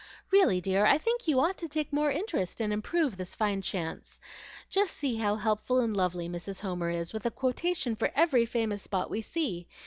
Really, dear, I think you ought to take more interest and improve this fine chance. Just see how helpful and lovely Mrs. Homer is, with a quotation for every famous spot we see.